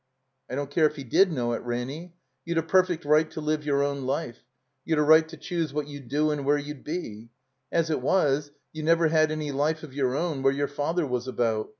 "I don't care if he did know it, Ranny. You'd a perfect right to live your own life. You'd a right to choose what you'd do and where you'd be. As it was, you never had any Ufe of yotir own where your father was about.